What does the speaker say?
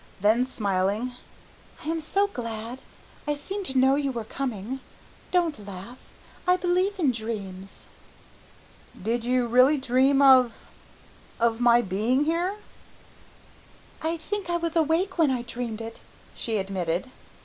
Then, smiling, "I am so glad I seemed to know you were coming. Don't laugh, I believe in dreams." "Did you really dream of, of my being here?" "I think I was awake when I dreamed it," she admitted.